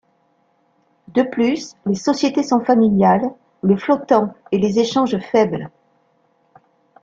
De plus, les sociétés sont familiales, le flottant et les échanges faibles.